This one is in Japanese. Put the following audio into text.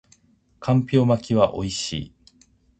干瓢巻きは美味しい